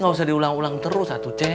gak usah diulang ulang terus atu c